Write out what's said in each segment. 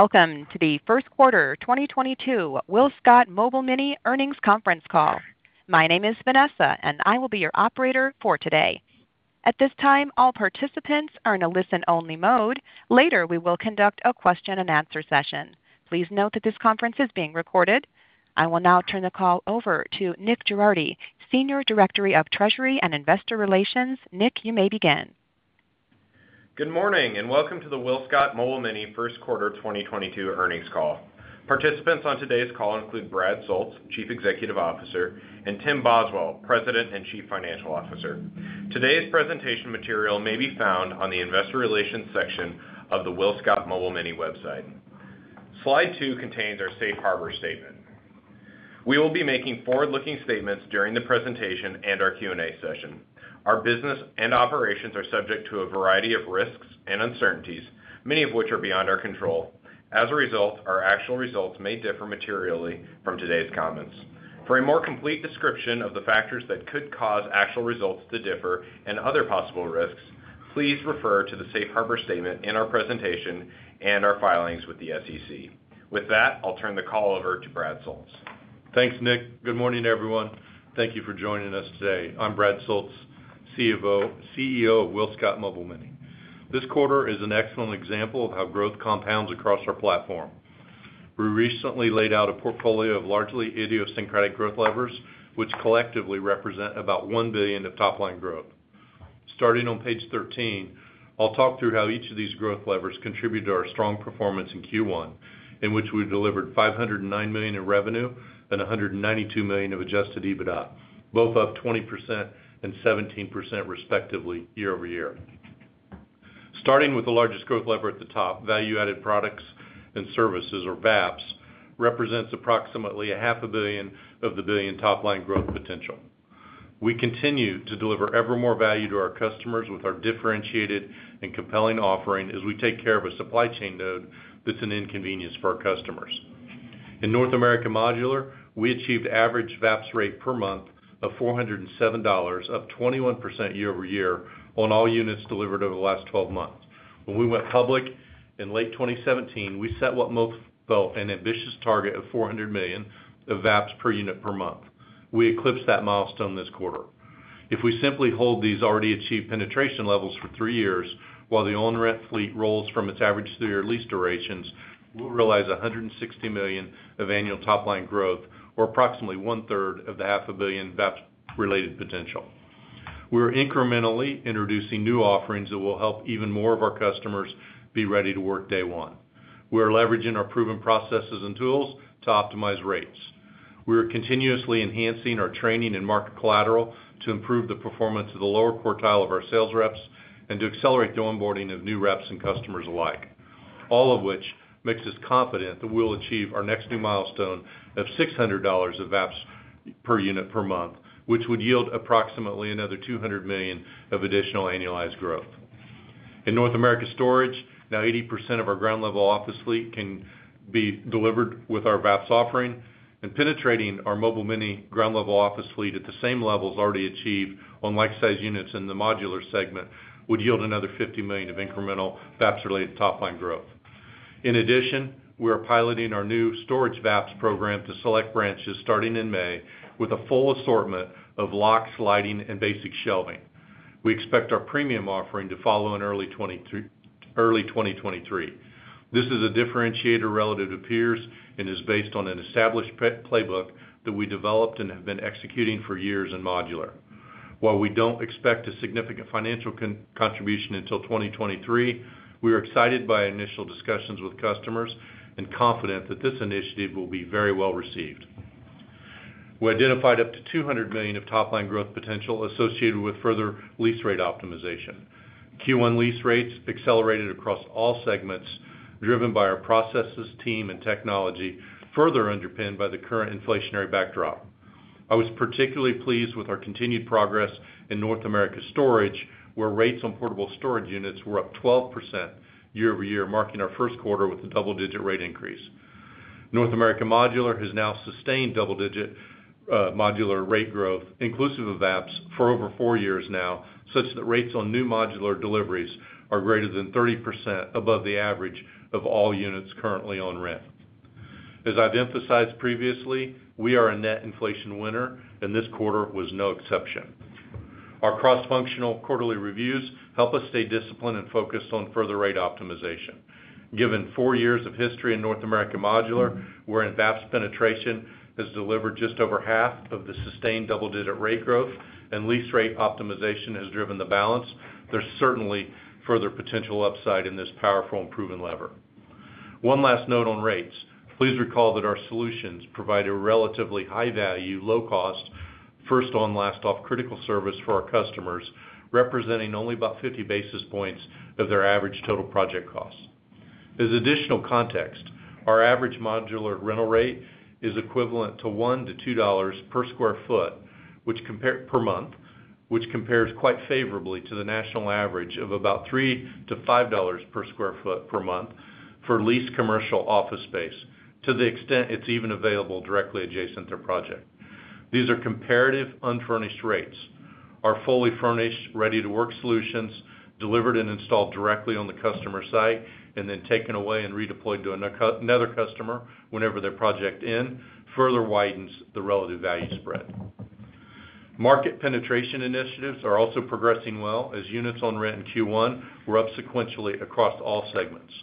Welcome to the first quarter 2022 WillScot Mobile Mini earnings conference call. My name is Vanessa, and I will be your operator for today. At this time, all participants are in a listen-only mode. Later, we will conduct a question-and-answer session. Please note that this conference is being recorded. I will now turn the call over to Nick Girardi, Senior Director of Treasury and Investor Relations. Nick, you may begin. Good morning, and welcome to the WillScot Mobile Mini first quarter 2022 earnings call. Participants on today's call include Brad Soultz, Chief Executive Officer, and Tim Boswell, President and Chief Financial Officer. Today's presentation material may be found on the investor relations section of the WillScot Mobile Mini website. Slide 2 contains our safe harbor statement. We will be making forward-looking statements during the presentation and our Q&A session. Our business and operations are subject to a variety of risks and uncertainties, many of which are beyond our control. As a result, our actual results may differ materially from today's comments. For a more complete description of the factors that could cause actual results to differ and other possible risks, please refer to the safe harbor statement in our presentation and our filings with the SEC. With that, I'll turn the call over to Brad Soultz. Thanks, Nick. Good morning, everyone. Thank you for joining us today. I'm Brad Soultz, CEO of WillScot Mobile Mini. This quarter is an excellent example of how growth compounds across our platform. We recently laid out a portfolio of largely idiosyncratic growth levers, which collectively represent about $1 billion of top line growth. Starting on page 13, I'll talk through how each of these growth levers contribute to our strong performance in Q1, in which we delivered $509 million in revenue and $192 million of Adjusted EBITDA, both up 20% and 17% respectively year-over-year. Starting with the largest growth lever at the top, value-added products and services, or VAPS, represents approximately a half a billion of the billion top line growth potential. We continue to deliver ever more value to our customers with our differentiated and compelling offering as we take care of a supply chain node that's an inconvenience for our customers. In North America Modular, we achieved average VAPS rate per month of $407, up 21% year-over-year on all units delivered over the last 12 months. When we went public in late 2017, we set what most felt an ambitious target of $400 million of VAPS per unit per month. We eclipsed that milestone this quarter. If we simply hold these already achieved penetration levels for three years, while the owner fleet rolls from its average three-year lease durations, we'll realize $160 million of annual top line growth, or approximately one-third of the half a billion VAPS-related potential. We're incrementally introducing new offerings that will help even more of our customers be ready to work day one. We are leveraging our proven processes and tools to optimize rates. We are continuously enhancing our training and market collateral to improve the performance of the lower quartile of our sales reps and to accelerate the onboarding of new reps and customers alike. All of which makes us confident that we'll achieve our next new milestone of $600 of VAPS per unit per month, which would yield approximately another $200 million of additional annualized growth. In North America Storage, now 80% of our ground level office fleet can be delivered with our VAPS offering, and penetrating our Mobile Mini ground level office fleet at the same levels already achieved on like-sized units in the modular segment would yield another $50 million of incremental VAPS-related top line growth. In addition, we are piloting our new storage VAPS program to select branches starting in May with a full assortment of locks, lighting, and basic shelving. We expect our premium offering to follow in early 2023. This is a differentiator relative to peers and is based on an established playbook that we developed and have been executing for years in modular. While we don't expect a significant financial contribution until 2023, we are excited by initial discussions with customers and confident that this initiative will be very well received. We identified up to $200 million of top line growth potential associated with further lease rate optimization. Q1 lease rates accelerated across all segments driven by our processes, team, and technology, further underpinned by the current inflationary backdrop. I was particularly pleased with our continued progress in North America Storage, where rates on portable storage units were up 12% year-over-year, marking our first quarter with a double-digit rate increase. North America Modular has now sustained double-digit modular rate growth inclusive of VAPS for over four years now, such that rates on new modular deliveries are greater than 30% above the average of all units currently on rent. As I've emphasized previously, we are a net inflation winner, and this quarter was no exception. Our cross-functional quarterly reviews help us stay disciplined and focused on further rate optimization. Given four years of history in North America Modular, wherein VAPS penetration has delivered just over half of the sustained double-digit rate growth and lease rate optimization has driven the balance, there's certainly further potential upside in this powerful and proven lever. One last note on rates. Please recall that our solutions provide a relatively high value, low cost, first on, last off critical service for our customers, representing only about 50 basis points of their average total project cost. As additional context, our average modular rental rate is equivalent to $1-$2 per sq ft per month, which compares quite favorably to the national average of about $3-$5 per sq ft per month for leased commercial office space to the extent it's even available directly adjacent to a project. These are comparative unfurnished rates. Our fully furnished, ready-to-work solutions delivered and installed directly on the customer site, and then taken away and redeployed to another customer whenever their project end, further widens the relative value spread. Market penetration initiatives are also progressing well, as units on rent in Q1 were up sequentially across all segments.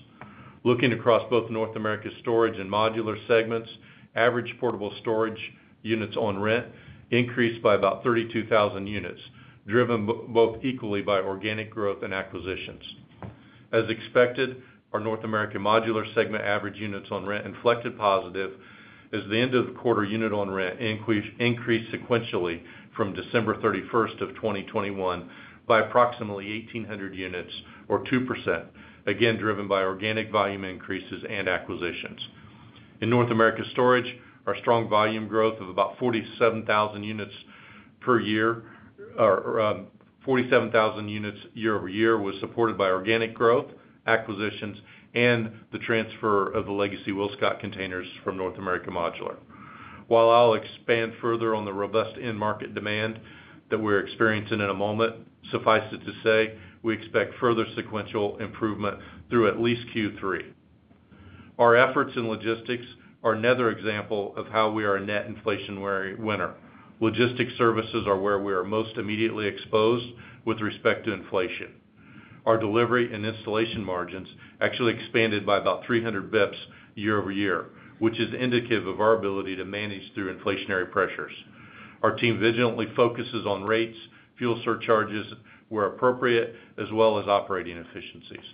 Looking across both North America Storage and Modular segments, average portable storage units on rent increased by about 32,000 units, driven both equally by organic growth and acquisitions. As expected, our North America Modular segment average units on rent inflected positive as the end of the quarter unit on rent increased sequentially from December 31, 2021 by approximately 1,800 units or 2%, again, driven by organic volume increases and acquisitions. In North America Storage, our strong volume growth of about 47,000 units per year or 47,000 units year-over-year was supported by organic growth, acquisitions, and the transfer of the legacy WillScot containers from North America Modular. While I'll expand further on the robust end market demand that we're experiencing in a moment, suffice it to say we expect further sequential improvement through at least Q3. Our efforts in logistics are another example of how we are a net inflationary winner. Logistics services are where we are most immediately exposed with respect to inflation. Our delivery and installation margins actually expanded by about 300 basis points year-over-year, which is indicative of our ability to manage through inflationary pressures. Our team vigilantly focuses on rates, fuel surcharges where appropriate, as well as operating efficiencies.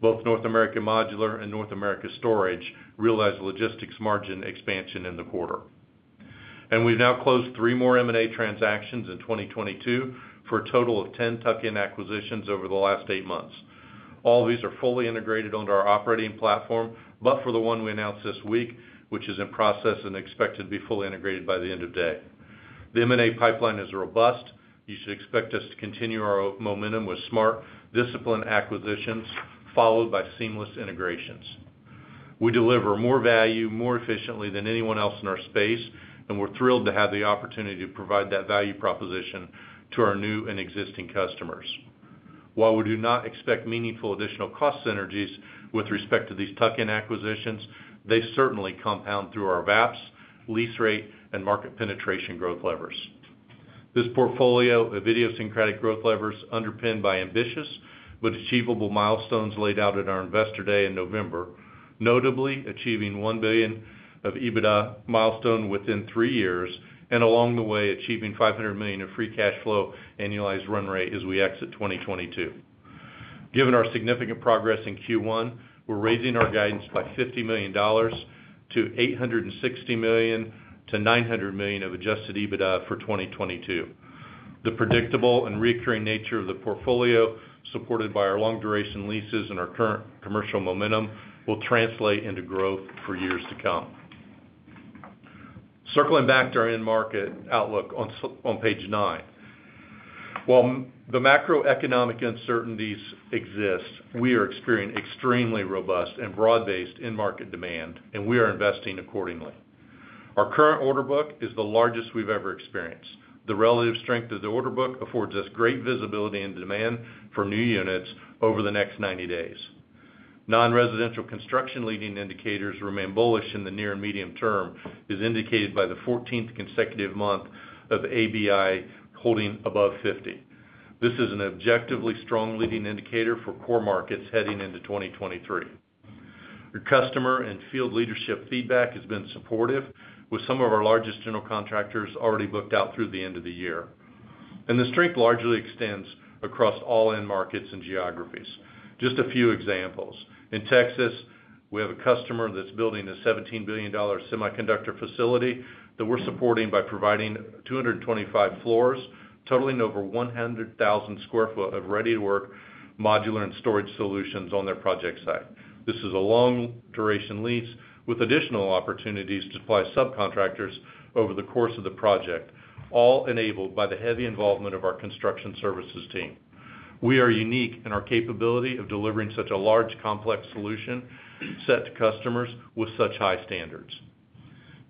Both North America Modular and North America Storage realized logistics margin expansion in the quarter. We've now closed 3 more M&A transactions in 2022, for a total of 10 tuck-in acquisitions over the last eight months. All these are fully integrated onto our operating platform, but for the one we announced this week, which is in process and expected to be fully integrated by the end of day. The M&A pipeline is robust. You should expect us to continue our momentum with smart, disciplined acquisitions followed by seamless integrations. We deliver more value more efficiently than anyone else in our space, and we're thrilled to have the opportunity to provide that value proposition to our new and existing customers. While we do not expect meaningful additional cost synergies with respect to these tuck-in acquisitions, they certainly compound through our VAPS, lease rate, and market penetration growth levers. This portfolio of idiosyncratic growth levers underpinned by ambitious but achievable milestones laid out at our Investor Day in November, notably achieving $1 billion of EBITDA milestone within three years, and along the way, achieving $500 million of free cash flow annualized run rate as we exit 2022. Given our significant progress in Q1, we're raising our guidance by $50 million to $860 million-$900 million of Adjusted EBITDA for 2022. The predictable and recurring nature of the portfolio, supported by our long duration leases and our current commercial momentum, will translate into growth for years to come. Circling back to our end market outlook on page nine. While the macroeconomic uncertainties exist, we are experiencing extremely robust and broad-based end market demand, and we are investing accordingly. Our current order book is the largest we've ever experienced. The relative strength of the order book affords us great visibility and demand for new units over the next 90 days. Non-residential construction leading indicators remain bullish in the near and medium term, as indicated by the 14th consecutive month of ABI holding above 50. This is an objectively strong leading indicator for core markets heading into 2023. Our customer and field leadership feedback has been supportive, with some of our largest general contractors already booked out through the end of the year. The strength largely extends across all end markets and geographies. Just a few examples. In Texas, we have a customer that's building a $17 billion semiconductor facility that we're supporting by providing 225 floors, totaling over 100,000 sq ft of ready to work modular and storage solutions on their project site. This is a long duration lease with additional opportunities to supply subcontractors over the course of the project, all enabled by the heavy involvement of our construction services team. We are unique in our capability of delivering such a large, complex solution set to customers with such high standards.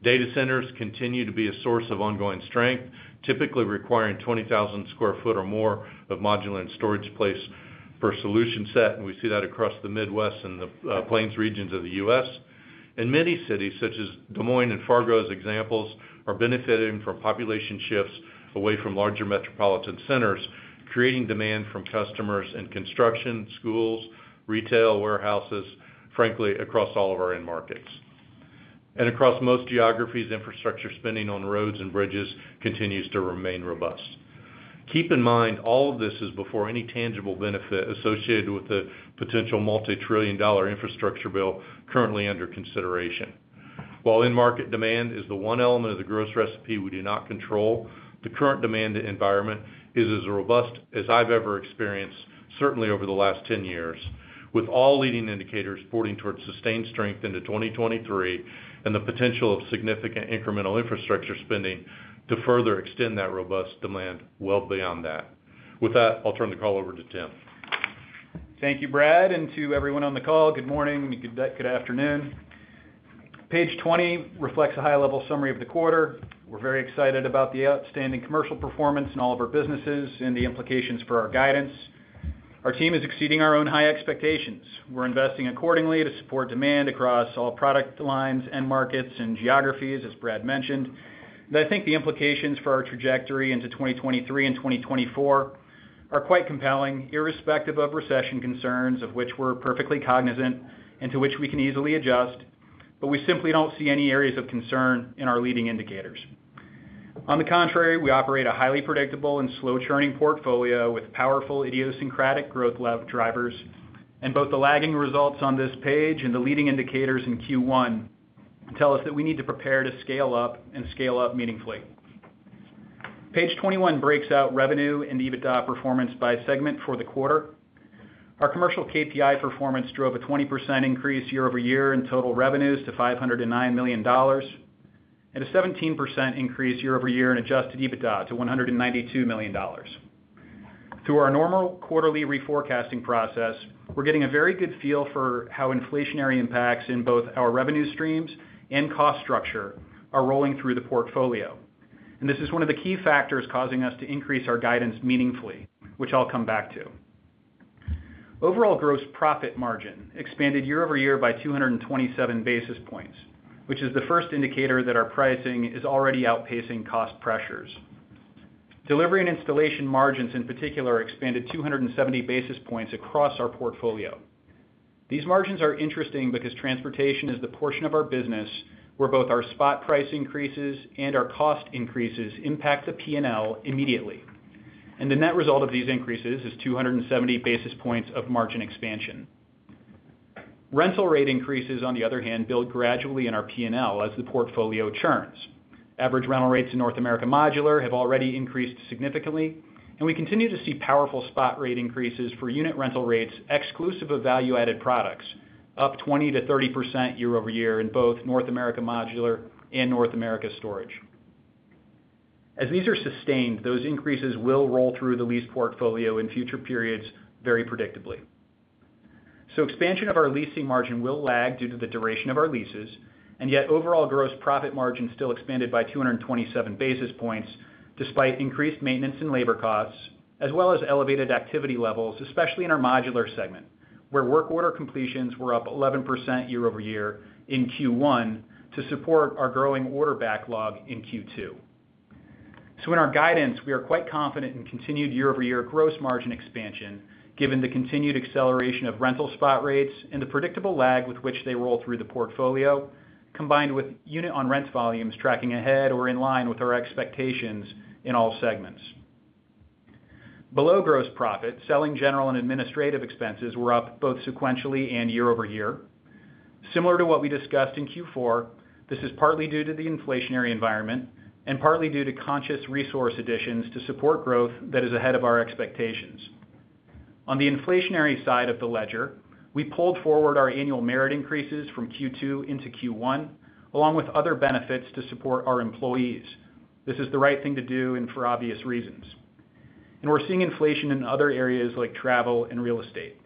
Data centers continue to be a source of ongoing strength, typically requiring 20,000 sq ft or more of modular and storage space per solution set, and we see that across the Midwest and the Plains regions of the U.S. Many cities, such as Des Moines and Fargo as examples, are benefiting from population shifts away from larger metropolitan centers, creating demand from customers in construction, schools, retail, warehouses, frankly, across all of our end markets. Across most geographies, infrastructure spending on roads and bridges continues to remain robust. Keep in mind, all of this is before any tangible benefit associated with the potential multi-trillion dollar infrastructure bill currently under consideration. While end market demand is the one element of the gross recipe we do not control, the current demand environment is as robust as I've ever experienced, certainly over the last 10 years, with all leading indicators pointing towards sustained strength into 2023 and the potential of significant incremental infrastructure spending to further extend that robust demand well beyond that. With that, I'll turn the call over to Tim. Thank you, Brad, and to everyone on the call, good afternoon. Page 20 reflects a high level summary of the quarter. We're very excited about the outstanding commercial performance in all of our businesses and the implications for our guidance. Our team is exceeding our own high expectations. We're investing accordingly to support demand across all product lines, end markets, and geographies, as Brad mentioned. I think the implications for our trajectory into 2023 and 2024 are quite compelling, irrespective of recession concerns, of which we're perfectly cognizant and to which we can easily adjust, but we simply don't see any areas of concern in our leading indicators. On the contrary, we operate a highly predictable and slow churning portfolio with powerful idiosyncratic growth drivers, and both the lagging results on this page and the leading indicators in Q1 tell us that we need to prepare to scale up and scale up meaningfully. Page 21 breaks out revenue and EBITDA performance by segment for the quarter. Our commercial KPI performance drove a 20% increase year-over-year in total revenues to $509 million, and a 17% increase year-over-year in Adjusted EBITDA to $192 million. Through our normal quarterly reforecasting process, we're getting a very good feel for how inflationary impacts in both our revenue streams and cost structure are rolling through the portfolio. This is one of the key factors causing us to increase our guidance meaningfully, which I'll come back to. Overall gross profit margin expanded year-over-year by 227 basis points, which is the first indicator that our pricing is already outpacing cost pressures. Delivery and installation margins, in particular, expanded 270 basis points across our portfolio. These margins are interesting because transportation is the portion of our business where both our spot price increases and our cost increases impact the P&L immediately. The net result of these increases is 270 basis points of margin expansion. Rental rate increases, on the other hand, build gradually in our P&L as the portfolio churns. Average rental rates in North America Modular have already increased significantly, and we continue to see powerful spot rate increases for unit rental rates exclusive of value-added products, up 20%-30% year-over-year in both North America Modular and North America Storage. As these are sustained, those increases will roll through the lease portfolio in future periods very predictably. Expansion of our leasing margin will lag due to the duration of our leases, and yet overall gross profit margin still expanded by 227 basis points despite increased maintenance and labor costs, as well as elevated activity levels, especially in our Modular segment, where work order completions were up 11% year-over-year in Q1 to support our growing order backlog in Q2. In our guidance, we are quite confident in continued year-over-year gross margin expansion, given the continued acceleration of rental spot rates and the predictable lag with which they roll through the portfolio, combined with unit on rent volumes tracking ahead or in line with our expectations in all segments. Below gross profit, selling, general, and administrative expenses were up both sequentially and year-over-year. Similar to what we discussed in Q4, this is partly due to the inflationary environment and partly due to conscious resource additions to support growth that is ahead of our expectations. On the inflationary side of the ledger, we pulled forward our annual merit increases from Q2 into Q1, along with other benefits to support our employees. This is the right thing to do and for obvious reasons. We're seeing inflation in other areas like travel and real estate.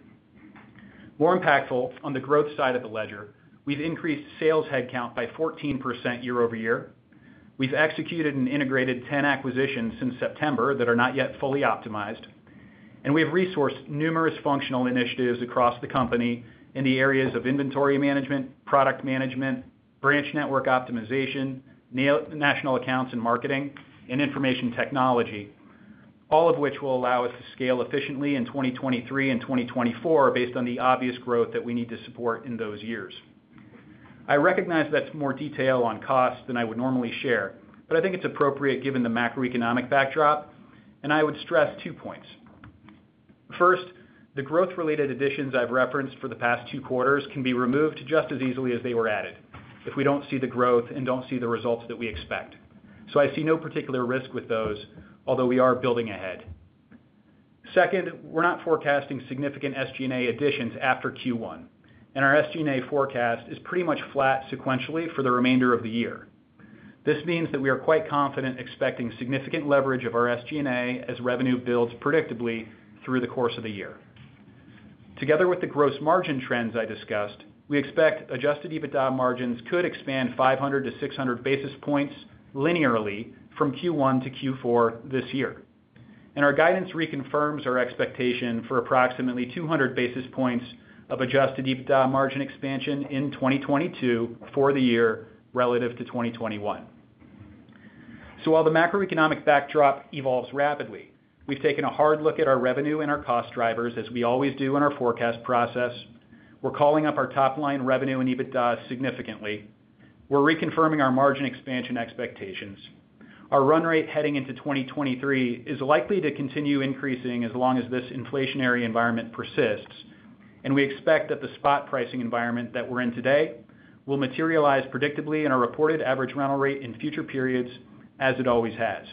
More impactful, on the growth side of the ledger, we've increased sales headcount by 14% year-over-year. We've executed and integrated 10 acquisitions since September that are not yet fully optimized, and we have resourced numerous functional initiatives across the company in the areas of inventory management, product management, branch network optimization, national accounts and marketing, and information technology, all of which will allow us to scale efficiently in 2023 and 2024 based on the obvious growth that we need to support in those years. I recognize that's more detail on cost than I would normally share, but I think it's appropriate given the macroeconomic backdrop, and I would stress two points. First, the growth-related additions I've referenced for the past two quarters can be removed just as easily as they were added if we don't see the growth and don't see the results that we expect. I see no particular risk with those, although we are building ahead. Second, we're not forecasting significant SG&A additions after Q1, and our SG&A forecast is pretty much flat sequentially for the remainder of the year. This means that we are quite confident expecting significant leverage of our SG&A as revenue builds predictably through the course of the year. Together with the gross margin trends I discussed, we expect Adjusted EBITDA margins could expand 500-600 basis points linearly from Q1 to Q4 this year. Our guidance reconfirms our expectation for approximately 200 basis points of Adjusted EBITDA margin expansion in 2022 for the year relative to 2021. While the macroeconomic backdrop evolves rapidly, we've taken a hard look at our revenue and our cost drivers, as we always do in our forecast process. We're calling up our top line revenue and EBITDA significantly. We're reconfirming our margin expansion expectations. Our run rate heading into 2023 is likely to continue increasing as long as this inflationary environment persists, and we expect that the spot pricing environment that we're in today will materialize predictably in our reported average rental rate in future periods as it always has.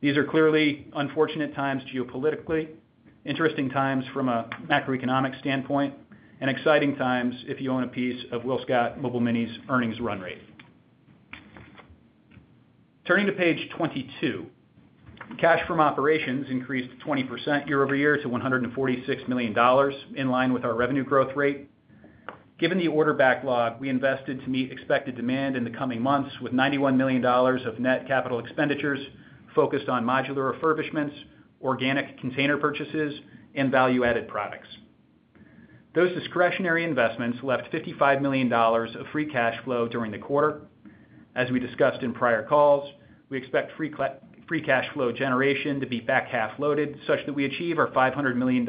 These are clearly unfortunate times geopolitically, interesting times from a macroeconomic standpoint, and exciting times if you own a piece of WillScot Mobile Mini's earnings run rate. Turning to page 22. Cash from operations increased 20% year-over-year to $146 million in line with our revenue growth rate. Given the order backlog, we invested to meet expected demand in the coming months with $91 million of net capital expenditures focused on modular refurbishments, organic container purchases, and value-added products. Those discretionary investments left $55 million of free cash flow during the quarter. As we discussed in prior calls, we expect free cash flow generation to be back half loaded such that we achieve our $500 million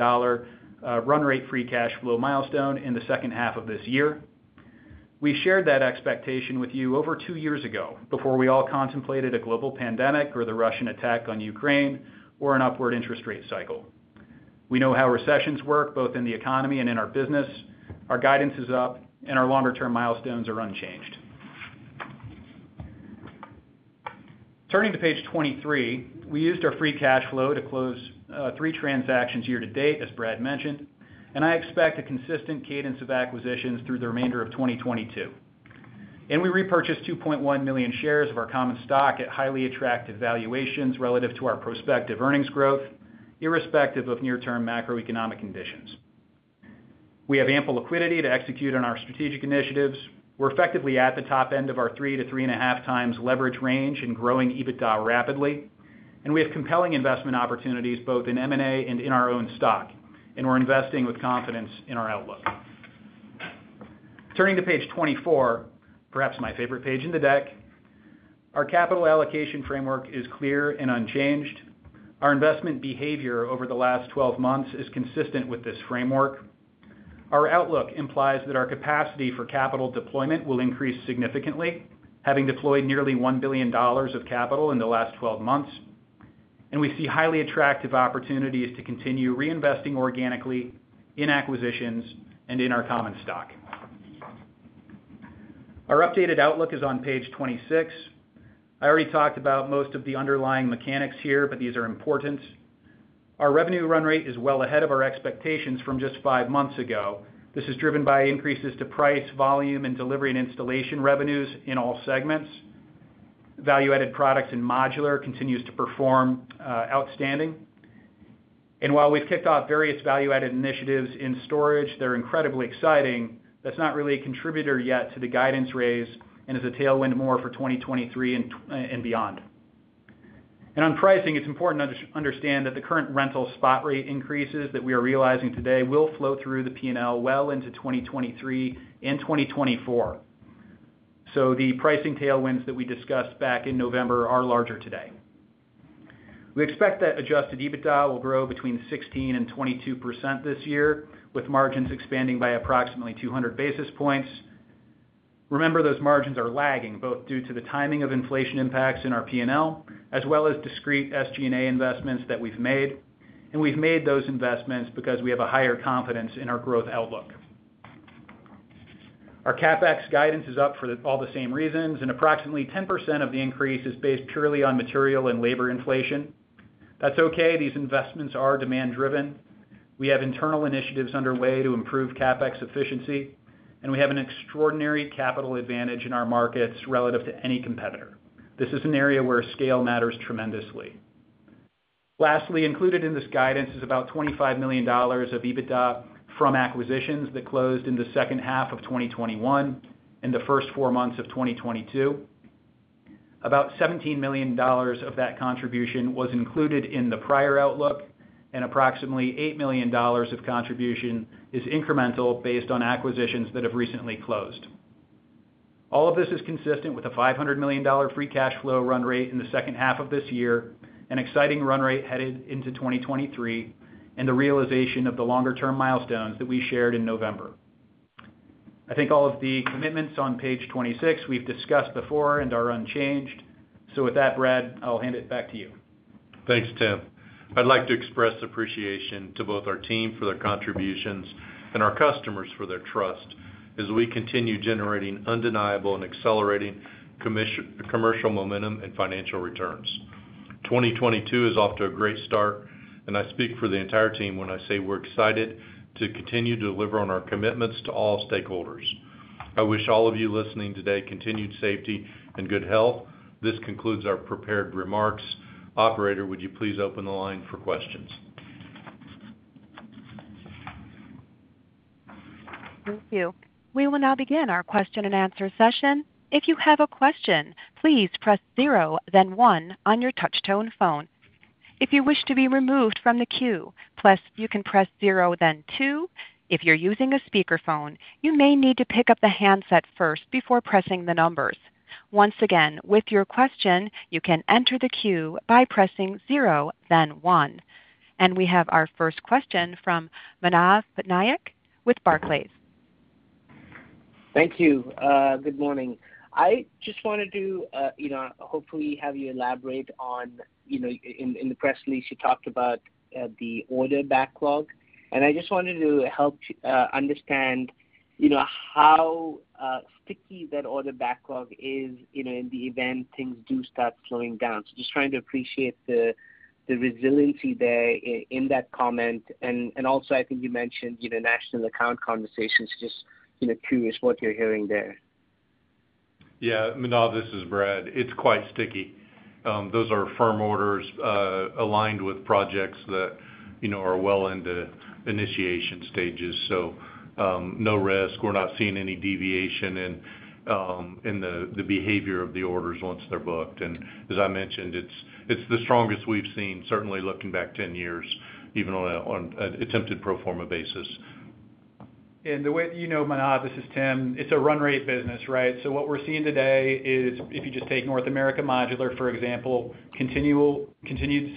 run rate free cash flow milestone in the second half of this year. We shared that expectation with you over two years ago before we all contemplated a global pandemic or the Russian attack on Ukraine or an upward interest rate cycle. We know how recessions work, both in the economy and in our business. Our guidance is up, and our longer-term milestones are unchanged. Turning to page 23. We used our free cash flow to close three transactions year to date, as Brad mentioned, and I expect a consistent cadence of acquisitions through the remainder of 2022. We repurchased 2.1 million shares of our common stock at highly attractive valuations relative to our prospective earnings growth, irrespective of near-term macroeconomic conditions. We have ample liquidity to execute on our strategic initiatives. We're effectively at the top end of our 3x-3.5x leverage range and growing EBITDA rapidly. We have compelling investment opportunities both in M&A and in our own stock, and we're investing with confidence in our outlook. Turning to page 24, perhaps my favorite page in the deck. Our capital allocation framework is clear and unchanged. Our investment behavior over the last 12 months is consistent with this framework. Our outlook implies that our capacity for capital deployment will increase significantly, having deployed nearly $1 billion of capital in the last 12 months. We see highly attractive opportunities to continue reinvesting organically in acquisitions and in our common stock. Our updated outlook is on page 26. I already talked about most of the underlying mechanics here, but these are important. Our revenue run rate is well ahead of our expectations from just five months ago. This is driven by increases to price, volume, and delivery and installation revenues in all segments. Value-added products and modular continues to perform outstanding. While we've kicked off various value-added initiatives in storage, they're incredibly exciting. That's not really a contributor yet to the guidance raise and is a tailwind more for 2023 and beyond. On pricing, it's important to understand that the current rental spot rate increases that we are realizing today will flow through the P&L well into 2023 and 2024. The pricing tailwinds that we discussed back in November are larger today. We expect that Adjusted EBITDA will grow between 16%-22% this year, with margins expanding by approximately 200 basis points. Remember, those margins are lagging, both due to the timing of inflation impacts in our P&L, as well as discrete SG&A investments that we've made, and we've made those investments because we have a higher confidence in our growth outlook. Our CapEx guidance is up for all the same reasons, and approximately 10% of the increase is based purely on material and labor inflation. That's okay. These investments are demand-driven. We have internal initiatives underway to improve CapEx efficiency, and we have an extraordinary capital advantage in our markets relative to any competitor. This is an area where scale matters tremendously. Lastly, included in this guidance is about $25 million of EBITDA from acquisitions that closed in the second half of 2021 and the first four months of 2022. About $17 million of that contribution was included in the prior outlook, and approximately $8 million of contribution is incremental based on acquisitions that have recently closed. All of this is consistent with a $500 million free cash flow run rate in the second half of this year, an exciting run rate headed into 2023, and the realization of the longer-term milestones that we shared in November. I think all of the commitments on page 26 we've discussed before and are unchanged. With that, Brad, I'll hand it back to you. Thanks, Tim. I'd like to express appreciation to both our team for their contributions and our customers for their trust as we continue generating undeniable and accelerating commercial momentum and financial returns. 2022 is off to a great start, and I speak for the entire team when I say we're excited to continue to deliver on our commitments to all stakeholders. I wish all of you listening today continued safety and good health. This concludes our prepared remarks. Operator, would you please open the line for questions? Thank you. We will now begin our question-and-answer session. If you have a question, please press zero, then one on your touch-tone phone. If you wish to be removed from the queue, press zero, then two. If you're using a speakerphone, you may need to pick up the handset first before pressing the numbers. Once again, with your question, you can enter the queue by pressing zero, then one. We have our first question from Manav Patnaik with Barclays. Thank you. Good morning. I just wanted to, you know, hopefully have you elaborate on, you know, in the press release, you talked about the order backlog. I just wanted to help understand, you know, how sticky that order backlog is, you know, in the event things do start slowing down. Just trying to appreciate the resiliency there in that comment. Also, I think you mentioned, you know, national account conversations, just, you know, curious what you're hearing there. Yeah. Manav, this is Brad. It's quite sticky. Those are firm orders aligned with projects that, you know, are well in the initiation stages. No risk. We're not seeing any deviation in the behavior of the orders once they're booked. As I mentioned, it's the strongest we've seen, certainly looking back 10 years, even on an attempted pro forma basis. You know, Manav, this is Tim. It's a run rate business, right? What we're seeing today is if you just take North America Modular, for example, continued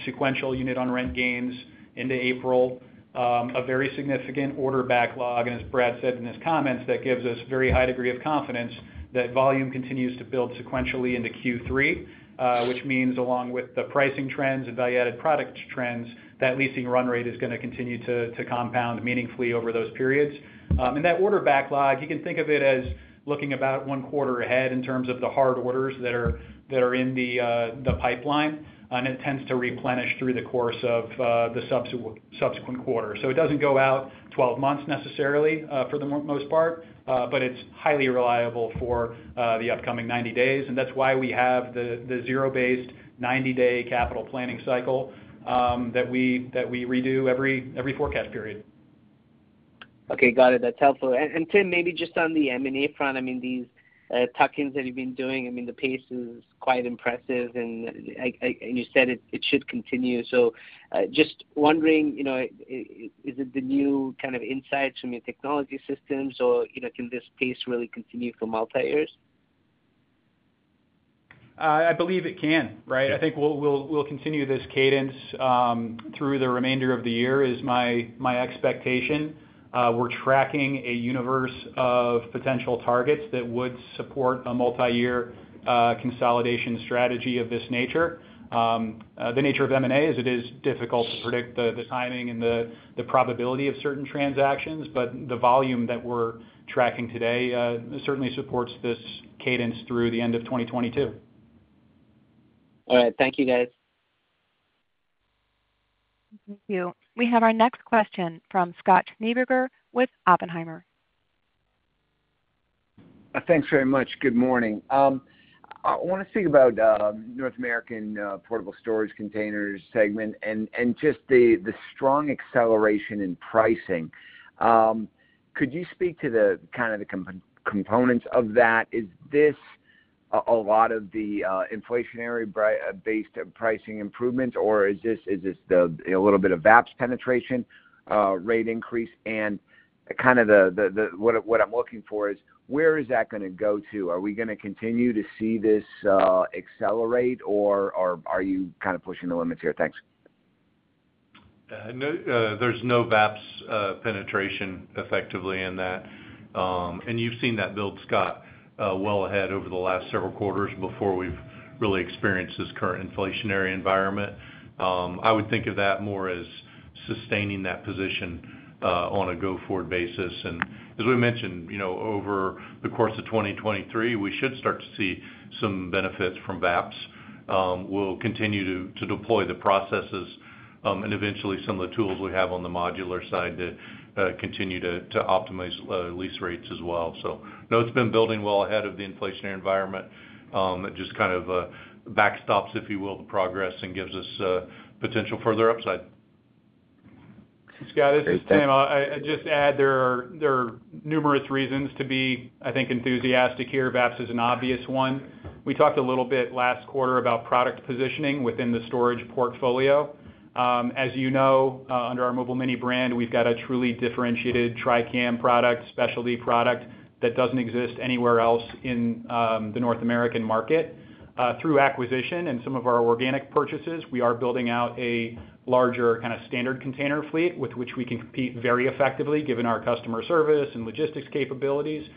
sequential unit on rent gains into April, a very significant order backlog. As Brad said in his comments, that gives us very high degree of confidence that volume continues to build sequentially into Q3. Which means along with the pricing trends and value-added product trends, that leasing run rate is gonna continue to compound meaningfully over those periods. That order backlog, you can think of it as looking about one quarter ahead in terms of the hard orders that are in the pipeline, and it tends to replenish through the course of the subsequent quarter. It doesn't go out 12 months necessarily, for the most part, but it's highly reliable for the upcoming 90 days. That's why we have the zero-based 90-day capital planning cycle that we redo every forecast period. Okay. Got it. That's helpful. Tim, maybe just on the M&A front, I mean, these tuck-ins that you've been doing, I mean, the pace is quite impressive, like, you said it should continue. Just wondering, you know, is it the new kind of insights from your technology systems or, you know, can this pace really continue for multi years? I believe it can, right? I think we'll continue this cadence through the remainder of the year is my expectation. We're tracking a universe of potential targets that would support a multi-year consolidation strategy of this nature. The nature of M&A is it is difficult to predict the timing and the probability of certain transactions, but the volume that we're tracking today certainly supports this cadence through the end of 2022. All right. Thank you, guys. Thank you. We have our next question from Scott Schneeberger with Oppenheimer. Thanks very much. Good morning. I wanna think about North America Storage segment and just the strong acceleration in pricing. Could you speak to the components of that? Is this a lot of the inflationary-based pricing improvements, or is this the you know little bit of VAPS penetration rate increase? Kinda what I'm looking for is where is that gonna go to? Are we gonna continue to see this accelerate, or are you kind of pushing the limits here? Thanks. No, there's no VAPS penetration effectively in that. You've seen that build, Scott, well ahead over the last several quarters before we've really experienced this current inflationary environment. I would think of that more as sustaining that position on a go-forward basis. As we mentioned, you know, over the course of 2023, we should start to see some benefits from VAPS. We'll continue to deploy the processes and eventually some of the tools we have on the modular side to continue to optimize lease rates as well. No, it's been building well ahead of the inflationary environment. It just kind of backstops, if you will, the progress and gives us potential further upside. Scott, this is Tim. I'd just add there are numerous reasons to be, I think, enthusiastic here. VAPS is an obvious one. We talked a little bit last quarter about product positioning within the storage portfolio. As you know, under our Mobile Mini brand, we've got a truly differentiated Tri-Cam product, specialty product that doesn't exist anywhere else in the North American market. Through acquisition and some of our organic purchases, we are building out a larger kind of standard container fleet with which we can compete very effectively given our customer service and logistics capabilities.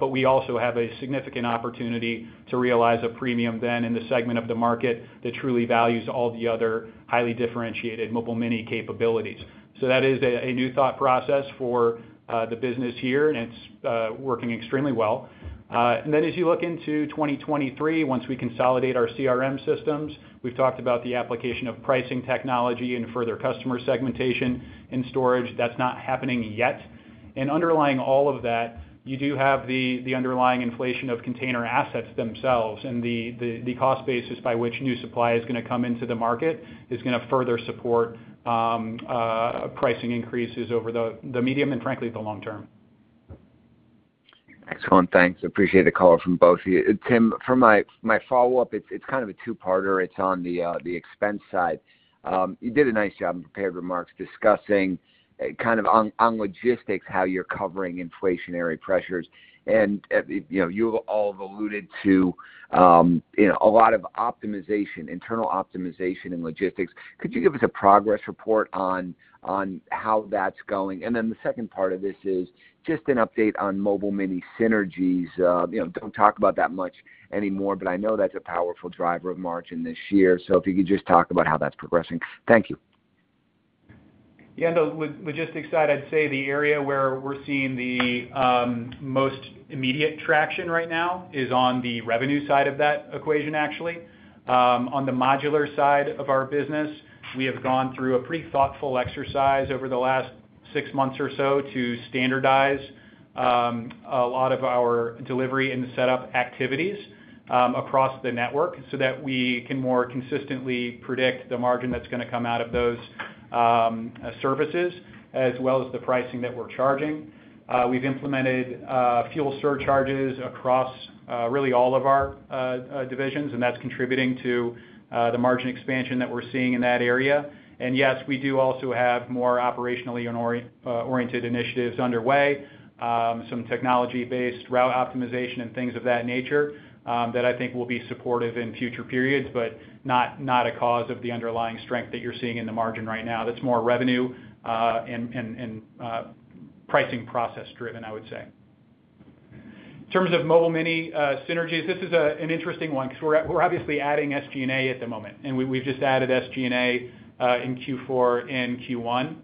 We also have a significant opportunity to realize a premium then in the segment of the market that truly values all the other highly differentiated Mobile Mini capabilities. That is a new thought process for the business here, and it's working extremely well. As you look into 2023, once we consolidate our CRM systems, we've talked about the application of pricing technology and further customer segmentation and storage. That's not happening yet. Underlying all of that, you do have the underlying inflation of container assets themselves and the cost basis by which new supply is gonna come into the market is gonna further support pricing increases over the medium and frankly, the long term. Excellent. Thanks. I appreciate the call from both of you. Tim, for my follow-up, it's kind of a two-parter. It's on the expense side. You did a nice job in prepared remarks discussing kind of on logistics, how you're covering inflationary pressures. You know, you all have alluded to you know, a lot of optimization, internal optimization and logistics. Could you give us a progress report on how that's going? The second part of this is just an update on Mobile Mini synergies. You know, don't talk about that much anymore, but I know that's a powerful driver of margin this year. If you could just talk about how that's progressing. Thank you. Yeah. No. With logistics side, I'd say the area where we're seeing the most immediate traction right now is on the revenue side of that equation, actually. On the modular side of our business, we have gone through a pretty thoughtful exercise over the last six months or so to standardize a lot of our delivery and setup activities across the network so that we can more consistently predict the margin that's gonna come out of those services as well as the pricing that we're charging. We've implemented fuel surcharges across really all of our divisions, and that's contributing to the margin expansion that we're seeing in that area. Yes, we do also have more operationally oriented initiatives underway, some technology-based route optimization and things of that nature, that I think will be supportive in future periods, but not a cause of the underlying strength that you're seeing in the margin right now. That's more revenue and pricing process driven, I would say. In terms of Mobile Mini synergies, this is an interesting one 'cause we're obviously adding SG&A at the moment, and we've just added SG&A in Q4 and Q1.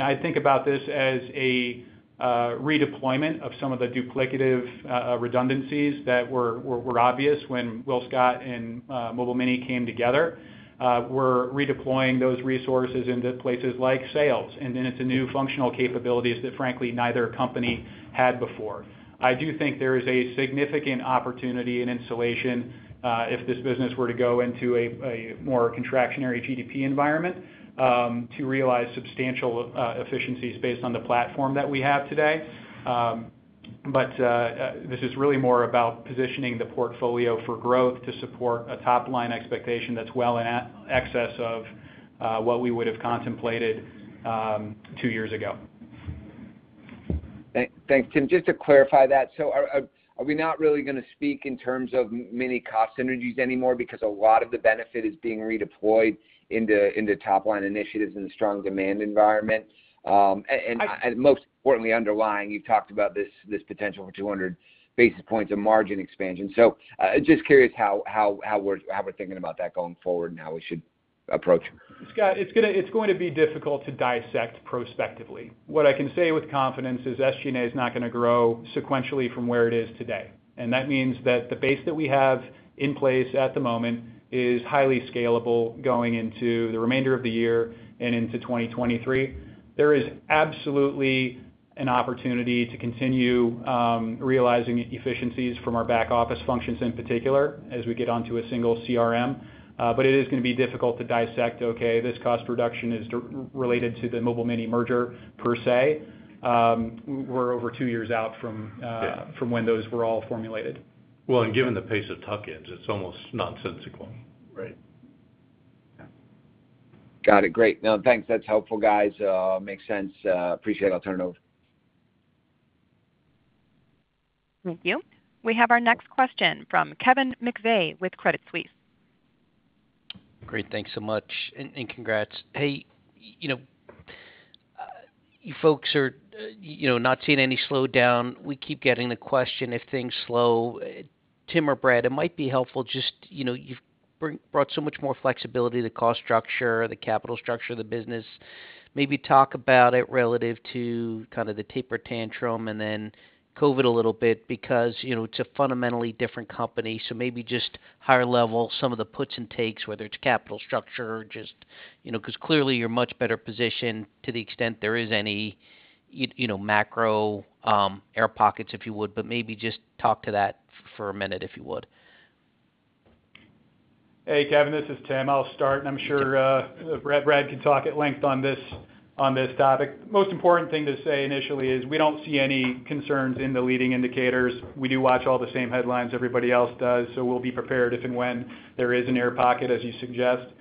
I think about this as a redeployment of some of the duplicative redundancies that were obvious when WillScot and Mobile Mini came together. We're redeploying those resources into places like sales, and into new functional capabilities that frankly neither company had before. I do think there is a significant opportunity in installation, if this business were to go into a more contractionary GDP environment, to realize substantial efficiencies based on the platform that we have today. This is really more about positioning the portfolio for growth to support a top-line expectation that's well in excess of what we would have contemplated two years ago. Thanks, Tim. Just to clarify that, are we not really gonna speak in terms of Mini cost synergies anymore because a lot of the benefit is being redeployed into top-line initiatives in a strong demand environment? And most importantly, underlying, you've talked about this potential for 200 basis points of margin expansion. Just curious how we're thinking about that going forward and how we should approach. Scott, it's going to be difficult to dissect prospectively. What I can say with confidence is SG&A is not gonna grow sequentially from where it is today. That means that the base that we have in place at the moment is highly scalable going into the remainder of the year and into 2023. There is absolutely an opportunity to continue realizing efficiencies from our back office functions in particular as we get onto a single CRM. But it is gonna be difficult to dissect, okay, this cost reduction is directly related to the Mobile Mini merger per se. We're over two years out from when those were all formulated. Well, given the pace of tuck-ins, it's almost nonsensical, right? Got it. Great. No, thanks. That's helpful, guys. Makes sense. Appreciate it. I'll turn it over. Thank you. We have our next question from Kevin McVeigh with Credit Suisse. Great. Thanks so much and congrats. Hey, you know, you folks are, you know, not seeing any slowdown. We keep getting the question, if things slow, Tim or Brad, it might be helpful just, you know, you've brought so much more flexibility to cost structure, the capital structure of the business. Maybe talk about it relative to kind of the taper tantrum and then COVID a little bit because, you know, it's a fundamentally different company. So maybe just higher level, some of the puts and takes, whether it's capital structure or just, you know, 'cause clearly you're much better positioned to the extent there is any, you know, macro, air pockets, if you would. Maybe just talk to that for a minute, if you would. Hey, Kevin, this is Tim. I'll start, and I'm sure Brad can talk at length on this topic. Most important thing to say initially is we don't see any concerns in the leading indicators. We do watch all the same headlines everybody else does, so we'll be prepared if and when there is an air pocket, as you suggest.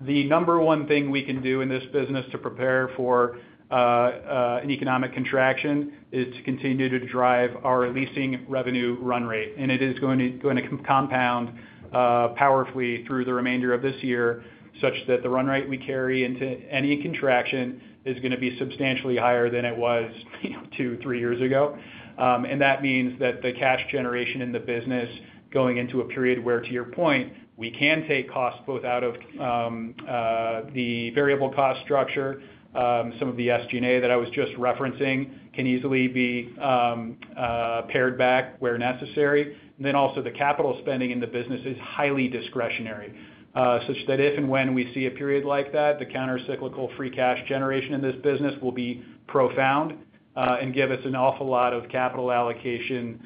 The number one thing we can do in this business to prepare for an economic contraction is to continue to drive our leasing revenue run rate. It is going to compound powerfully through the remainder of this year such that the run rate we carry into any contraction is gonna be substantially higher than it was, you know, two, three years ago. That means that the cash generation in the business going into a period where, to your point, we can take costs both out of the variable cost structure. Some of the SG&A that I was just referencing can easily be pared back where necessary. Also the capital spending in the business is highly discretionary, such that if and when we see a period like that, the countercyclical free cash generation in this business will be profound, and give us an awful lot of capital allocation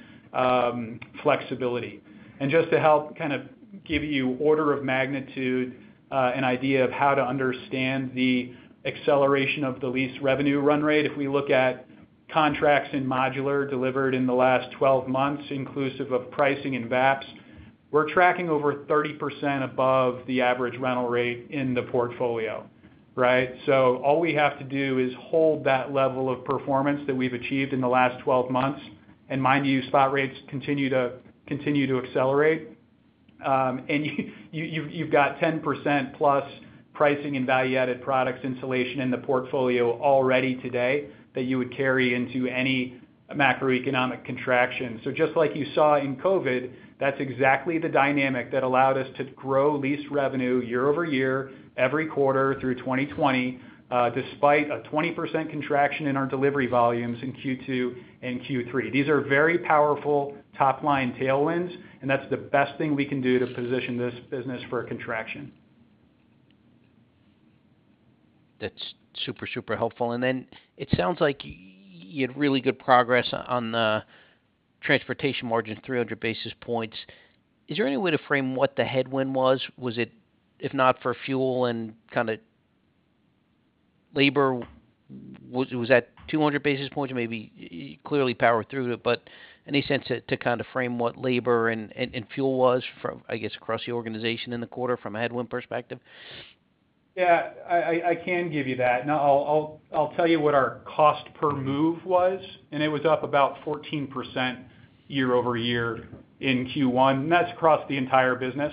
flexibility. Just to help kind of give you order of magnitude, an idea of how to understand the acceleration of the lease revenue run rate, if we look at contracts in modular delivered in the last 12 months, inclusive of pricing and VAPS, we're tracking over 30% above the average rental rate in the portfolio, right? All we have to do is hold that level of performance that we've achieved in the last 12 months, and mind you, spot rates continue to accelerate. You've got 10%+ pricing in value-added products installation in the portfolio already today that you would carry into any macroeconomic contraction. just like you saw in COVID, that's exactly the dynamic that allowed us to grow lease revenue year-over-year, every quarter through 2020, despite a 20% contraction in our delivery volumes in Q2 and Q3. These are very powerful top-line tailwinds, and that's the best thing we can do to position this business for a contraction. That's super helpful. Then it sounds like you had really good progress on the transportation margin, 300 basis points. Is there any way to frame what the headwind was? Was it, if not for fuel and kinda labor, was that 200 basis points? Maybe you clearly powered through it, but any sense to kinda frame what labor and fuel was from, I guess, across the organization in the quarter from a headwind perspective? Yeah, I can give you that. Now I'll tell you what our cost per move was, and it was up about 14% year-over-year in Q1, and that's across the entire business.